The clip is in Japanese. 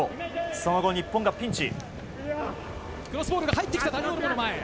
その後、日本がピンチ。